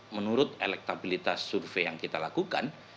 menurut elektabilitas survei yang kita lakukan